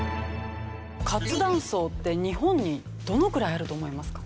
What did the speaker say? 活断層って日本にどのくらいあると思いますか？